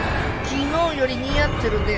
昨日より似合ってるね